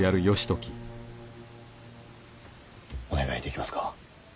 お願いできますか。